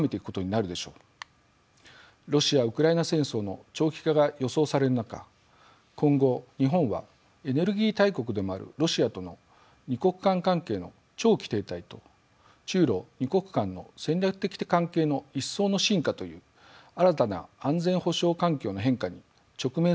ロシア・ウクライナ戦争の長期化が予想される中今後日本はエネルギー大国でもあるロシアとの二国間関係の長期停滞と中ロ二国間の戦略的関係の一層の深化という新たな安全保障環境の変化に直面することになります。